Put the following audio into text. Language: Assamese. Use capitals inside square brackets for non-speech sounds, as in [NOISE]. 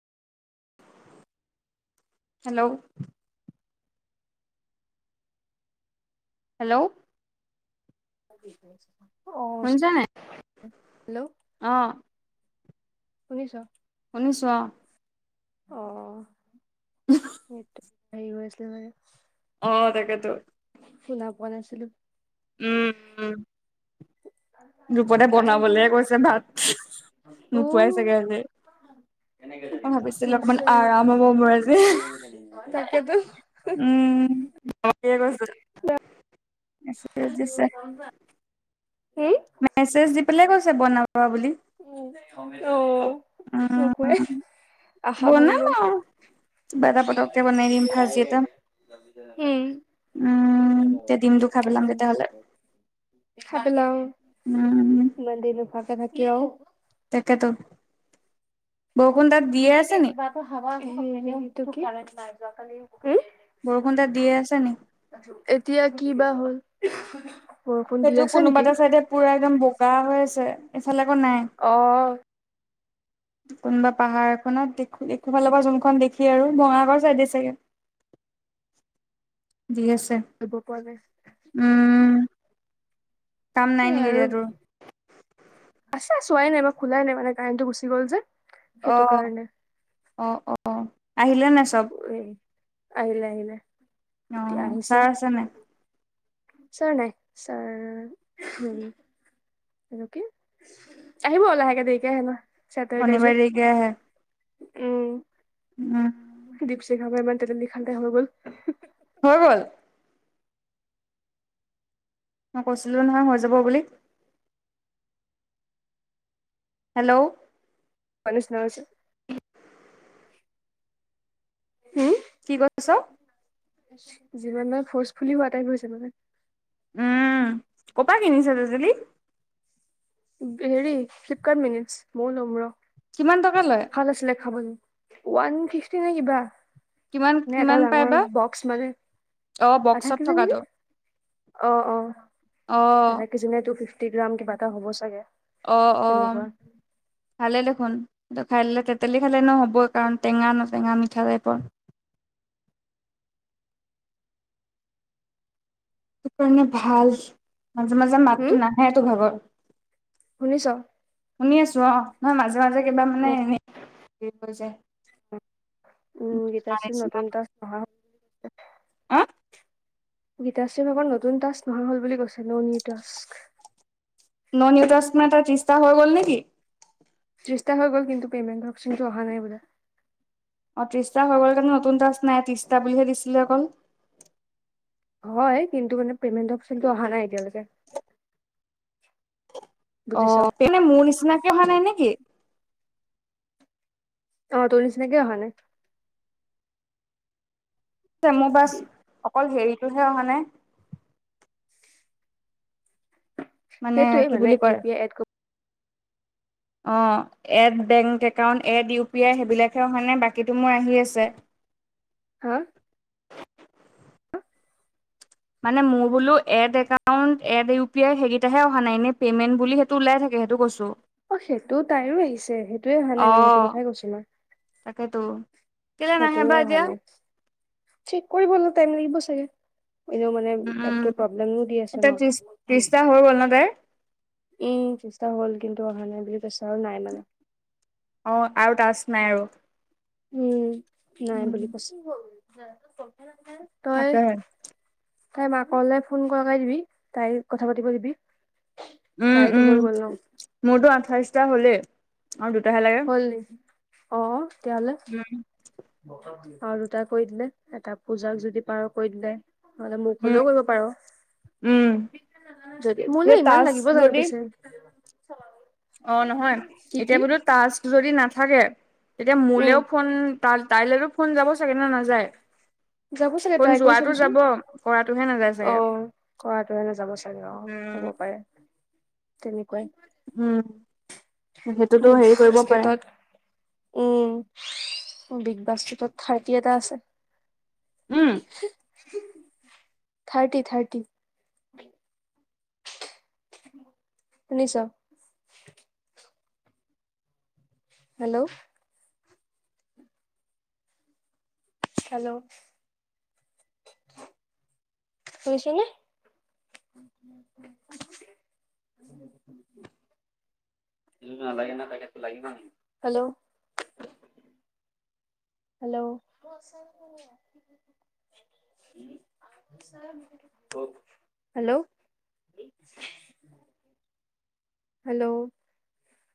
হেল্ল' হেল্ল' ত পছ [UNINTELLIGIBLE] শুনিছানে নাই হেল্ল' অ' শুনিছ শুনিছো অ'। অ সেইটো হেৰি হৈ আছিলে মানে অ তাকেটো, শুনা পোৱা নাছিলো। উম' উম ৰূপতে কাৰেণ্টটো বনাবলৈ কৈছে ভাত নোখোৱাই চাগৈ আজি। কেনে মই ভাবিছিলো অকমান আৰাম হব মোৰ আজি [UNINTELLIGIBLE] তাকেতো উম গৈছে দিছে [UNINTELLIGIBLE] কবা [UNINTELLIGIBLE] মেছেজ দি পেলাই কৈছে বনাবা বুলি। উম, [UNINTELLIGIBLE] চবৰে উম আশা ভাঙি বনাম গ'ল। আও কিবা এটা পতককে বনাই দিম ভাজি এটা উম। [INAUDIBLE] উম তেতিয়া ডিমটো খাই পেলাম তেতিয়াহ'লে উম ইমান দিন নোখোৱাকৈ থাকি আৰু তাকেতো। বৰষুণ তাত দিয়ে এইটো আছে নি? [INAUDIBLE] বৰষুণ তাত দিয়ে আছে নি? এতিয়া কি বা হ'ল! বৰষুণ দি সেইটো আছে কোনোবা নেকি? এটা চাইডে পুৰা একদম বোকা হৈ আছে, ইফালে আকৌ নাই। অ'। কোনোবা পাহাৰ এখনত দেখোঁ, দেখোঁ ফালৰ পৰা যোনখন দেখি আৰু বঙাঘৰ চাইডে চাগৈ। দি আছে। ব পোৱা নাই। উম। কাম নাই সেই নেকি আৰু এতিয়া তোৰ? আছে, চোৱাই নাই বা খোলাই নাই মানে কাৰেণ্টটো গুচি গ'ল যে। সেইটো অ', কাৰণে অ', অ', আহিলে নাছিল ব, এ আহিলে আহিলে এতিয়া অ', আহিছে ছাৰ আছে নাই? ছাৰ নাই, ছাৰ এইটো কি, আহিব আৰু লাহেকে দেৰিকে [UNINTELLIGIBLE] চেটাৰডে শনিবাৰে যে দেৰিকে আহে উম'। উম। দীপচিখা বা তেতেলী খালে হৈ গ'ল। হৈ গ'ল! মই কৈছিলোঁ নহয় হৈ যাব বুলি। হেল্ল'! [INAUDIBLE] কি কৈছে? যিমান বাৰ ফৰ্চফুলি হোৱা টাইপ হৈছে মানে। উম, ক'ৰ পা কিনিছ তেতলী? হেৰি, ফ্লিপকাৰ্ট মিনিটচ। মইও ল'ম ৰহ। কিমান টকা লয় ভাল আছিলে খাবলে, ওৱান ফিফটি নে কিবা। কিমান নে এটা কিমান পাই ডাঙৰ বা বক্স মানে, অ আধা বক্সত কেজি থকাটো নেকি? অ', অ'। অ আধা কেজি নে টু-ফিফটি গ্ৰাম, কিবা এটা হ'ব চাগে! অ', অ'। তেনেকুৱা ভালে দেখোন, এইটো খাই ল'লে তেঁতেলী খালে এনেও হ'বই কাৰণ টেঙা ন, টেঙা-মিঠা টাইপৰ। কাৰণে ভাল, মাজে, মাজে উম মাতটো নাহে তোৰ ভাগৰ। শুনিছ? শুনি আছোঁ অ' নহয়, মাজে, মাজে কিবা মানে মোক এনে [UNINTELLIGIBLE] হৈ যায়। উম, গীতাশ্ৰীৰ নতুন টাস্ক অহা আ'? গীতাশ্ৰী ভাগৰ নতুন টাস্ক নহা হ'ল বুলি কৈছে, নও নিউ টাস্ক। নও নিউ টাস্ক মাত্নে তাই ত্ৰিশটা হৈ গ'ল নেকি? ত্ৰিশটা হৈ গ'ল, কিন্তু পেমেণ্ট অপচনটো অহা নাই বোলে। অ', ত্ৰিশটা হৈ গ'ল কাৰণে নতুন টাস্ক নাই, ত্ৰিশটা বুলিহে দিছিলে অকল। হয়, কিন্তু মানে পেমেণ্ট অপচনটো অহা নাই এতিয়ালৈকে। বুজিছ অ' তেনে মোৰ নিচিনাকে অহা নাই নেকি? অ' তোৰ নিচিনাকে অহা নাই। মোৰ বাচ অকল হেৰিটোহে অহা নাই। মানে সেইটোৱে কি বুলি ইউ কয়? পি আই এড কৰি অ'এড bank account, add U P I সেইবিলাকে অহা নাই, বাকীতো মোৰ আহি আছে। হা? মানে মোৰ বোলো add account, add U P I সেইকেইটাহে অহা নাই। এনে পেমেন্ট বুলি টো ওলাই থাকে, সেইটো কৈছো। অ' সেইটো তাইৰো আহিছে, সেইটোয়ে অহা অ নাই মানে সেইটো কথাই কৈছোঁ মই। তাকেতো কেলে নাহে বা সেইটোয়ে অহা এতিয়া নাই, ঠিক কৰিবলৈ টাইম লাগিব চাগে। এনেও মানে উম উম এপটোত প্ৰব্লেমো দি আছে এতিয়া ন। ত্ৰিশ ত্ৰিশটা হৈ গ'ল ন তাইৰ? উম, ত্ৰিশটা হ'ল কিন্তু অহা নাই বুলি কৈছে আৰু নাই মানে। অ' আৰু টাস্ক নাই আৰু। উম নাই উম বুলি কৈছে। তই তাকেহে তাই মাকলৈ ফোন লগাই দিবি, তাইক কথা পাতিব দিবি। তাইৰটো হৈ গ'ল ন। মোৰটো আঠাইশটা হ'লেই, আৰু দুটাহে লাগে। হ'ল অ' তেতিয়াহলে? উম। আৰু দুটা কৰি দিলে, এটা পূজাক যদি পাৰ কৰি দিলে। নহ'লে মোক উম হ'লেও কৰিব পাৰ। উম যদি মোলে এতিয়া ইমান টাস্ক লাগিব জানো যদি পিছে? [UNINTELLIGIBLE] অ' নহয়, কি এতিয়া কি বোলো টাস্ক যদি নাথাকে, তেতিয়া উম মোলেও ফোন তাল-তাইলেটো ফোন যাব চাগে, নে নাযায়? যাব চাগে, ফোন ট্ৰাই কৰি যোৱাটো চাবিচোন। যাব কৰাটোহে নাযায় চাগে অ' কৰাটোহে নেযাব অ' উম। হ'ব পাৰে। [INAUDIBLE] তেনেকুৱাই। হুম। সেইটোতো মোক হেৰি কৰিব পাৰে। বাস্কেটত উম, বিগ বাস্কেটত থাৰ্টি এটা আছে। উম। Thirty, thirty. শুনিছ? হেল্ল হেল্ল শুইছেনে? নালাগে নলগে। লাগিব নেকি? Hello hello hello hello